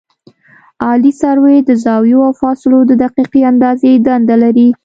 عالي سروې د زاویو او فاصلو د دقیقې اندازې دنده لري